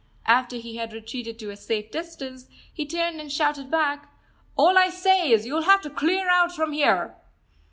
After he had retreated to a safe distance, he turned and shouted back: "All I say is, you'll have to clear out from here!"